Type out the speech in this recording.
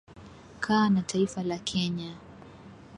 Kaa na taifa la Kenya